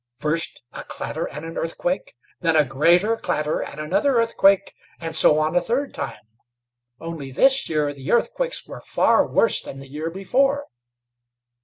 First a clatter and an earthquake, then a greater clatter and another earthquake, and so on a third time; only this year the earthquakes were far worse than the year before.